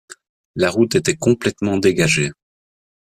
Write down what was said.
La route était complètement dégagée.